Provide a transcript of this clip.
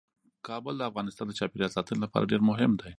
کابل د افغانستان د چاپیریال ساتنې لپاره ډیر مهم دی.